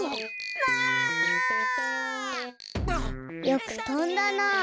よくとんだなあ。